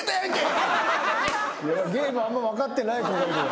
ゲームあんま分かってない子がいる。